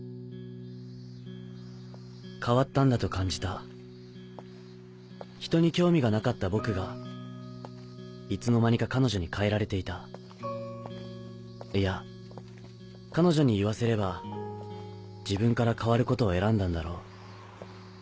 変わったんだと感じたひとに興味がなかった僕がいつの間にか彼女に変えられていたいや彼女に言わせれば自分から変わることを選んだんだろう